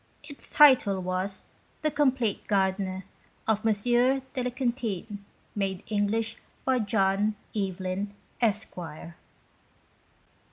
Its title was "The Compleat Gard'ner " of M. de la Quintinye made English by John Evelyn Esquire.